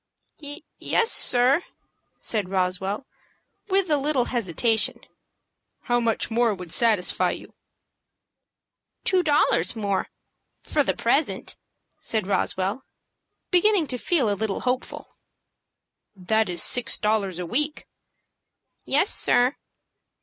"Yes, sir," said Roswell, with a little hesitation. "How much more would satisfy you?" "Two dollars more, for the present," said Roswell, beginning to feel a little hopeful. "That is six dollars a week." "Yes, sir."